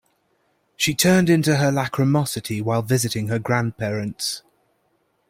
She turned into her lachrymosity while visiting her grandparents.